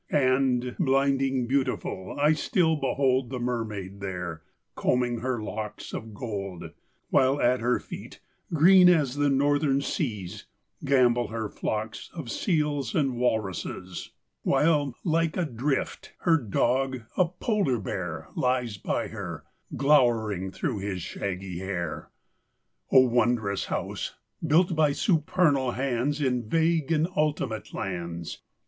And, blinding beautiful, I still behold The mermaid there, combing her locks of gold, While at her feet, green as the Northern Seas, Gambol her flocks of seals and walruses; While, like a drift, her dog, a Polar bear, Lies by her, glowering through his shaggy hair. VI O wondrous house, built by supernal hands In vague and ultimate lands!